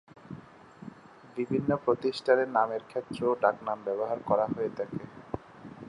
বিভিন্ন প্রতিষ্ঠানের নামের ক্ষেত্রেও ডাকনাম ব্যবহার করা হয়ে থাকে।